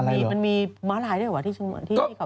อะไรเหรอมันมีมาลายด้วยหรือเปล่าที่เขา